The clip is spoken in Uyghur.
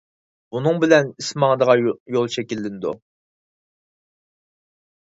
بۇنىڭ بىلەن ئىس ماڭىدىغان يول شەكىللىنىدۇ.